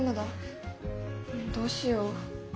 どうしよう。